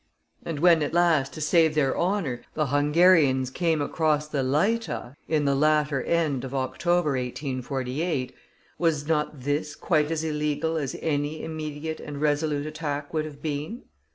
And when, at last, to save their honor, the Hungarians came across the Leitha, in the latter end of October, 1848, was not this quite as illegal as any immediate and resolute attack would have been?